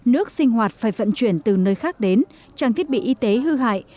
nước sinh hoạt phải vận chuyển từ nơi khác đến trang thiết bị y tế hư hại